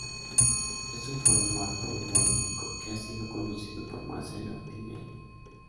Es un formato humorístico que ha sido conducido por Marcelo Tinelli.